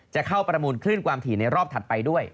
จะเข้าประมูลคลื่นความถี่ในรอบถัดไปด้วย